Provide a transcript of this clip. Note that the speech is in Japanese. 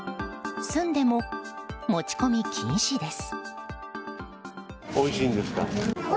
スンデも持ち込み禁止です。